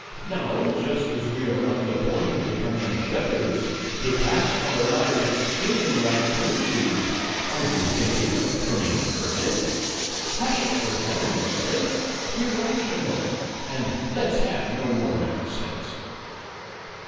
now, just as we are on the point of becoming shepherds, to pass our lives singing, like princes, are you thinking of turning hermit? Hush, for heaven's sake; be rational, and let's have no more nonsense."